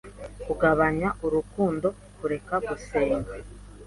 kugabanya urukundo, kureka gusenga,